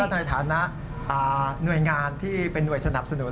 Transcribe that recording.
ในฐานะหน่วยงานที่เป็นหน่วยสนับสนุน